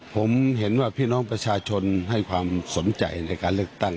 ผมเห็นว่าพี่น้องประชาชนให้ความสนใจในการเลือกตั้ง